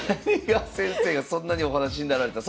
谷川先生がそんなにお話になられた。